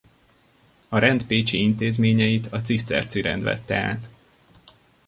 A rend pécsi intézményeit a Ciszterci rend vette át.